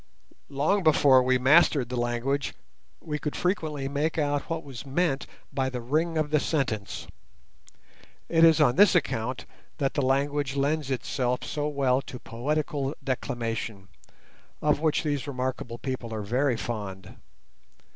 Long before we mastered the language, we could frequently make out what was meant by the ring of the sentence. It is on this account that the language lends itself so well to poetical declamation, of which these remarkable people are very fond.